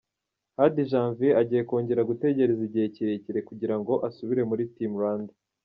Hadi Janvier agiye kongera gutegereza igihe kirekire kugira ngo asubire muri Team Rwanda.